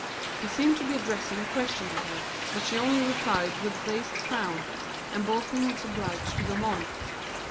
He seemed to be addressing a question to her, but she only replied with a dazed frown, and Bolton was obliged to go on.